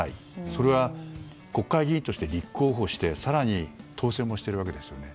それは国会議員として立候補して更に当選もしているわけですよね。